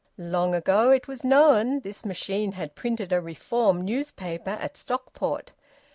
Long ago, it was known, this machine had printed a Reform newspaper at Stockport.